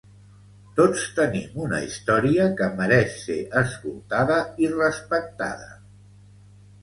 Tots tenim una història que mereix ser escoltada i respectada.